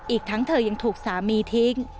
อีกทั้งเธอยังถูกสามีทิ้ง